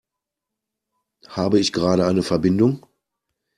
Habe ich gerade eine Verbindung?